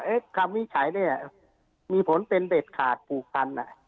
เอ๊ะคำวินิจฉัยเนี่ยมีผลเป็นเด็ดขาดปลูกพันธุ์